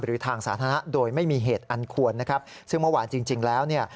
ทางสาธารณะโดยไม่มีเหตุอันควรนะครับซึ่งเมื่อวานจริงจริงแล้วเนี่ย